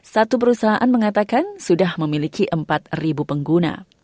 satu perusahaan mengatakan sudah memiliki empat pengguna